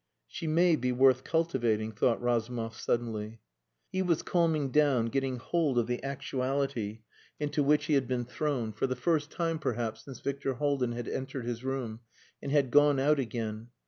"She may be worth cultivating," thought Razumov suddenly. He was calming down, getting hold of the actuality into which he had been thrown for the first time perhaps since Victor Haldin had entered his room...and had gone out again.